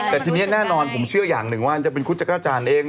แต่ทีนี้แน่นอนผมเชื่ออย่างหนึ่งว่าจะเป็นคุณจักรจานเอง